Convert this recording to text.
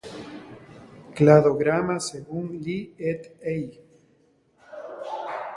Cladograma según Li "et al.